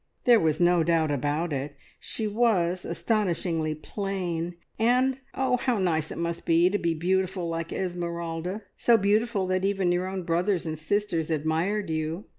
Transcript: There was no doubt about it, she was astonishingly plain, and oh, how nice it must be to be beautiful like Esmeralda so beautiful that even your own brothers and sisters admired you!